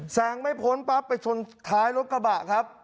แซงไม่พ้นปั๊บไปชนท้ายรถกระบะครับ